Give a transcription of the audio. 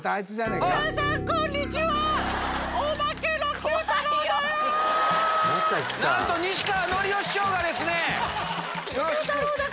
なんと西川のりお師匠がですね。